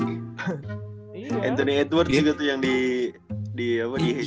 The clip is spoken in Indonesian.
anthony edwards juga tuh yang di hesitation